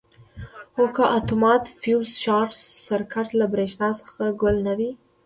خو که اتومات فیوز شارټ سرکټ له برېښنا څخه ګل نه کړي.